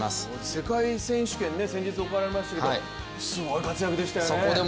世界選手権、先日行われましたけどすごい活躍でしたよね。